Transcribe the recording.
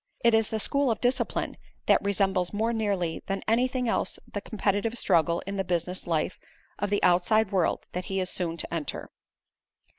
It is the school of discipline that resembles more nearly than anything else the competitive struggle in the business life of the outside world that he is soon to enter.